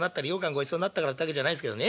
ごちそうなったからってわけじゃないですけどね